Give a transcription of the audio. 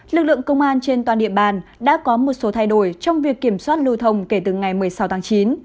lực lượng công an trên toàn địa bàn đã có một số thay đổi trong việc kiểm soát lưu thông kể từ ngày một mươi sáu tháng chín